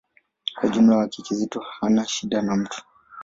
Kwa ujumla wake, Kizito hana shida na mtu.